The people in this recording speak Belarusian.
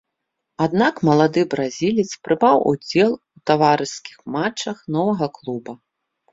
Аднак малады бразілец прымаў удзел у таварыскіх матчах новага клуба.